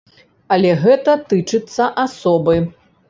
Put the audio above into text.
Але гэта тычыцца асобы.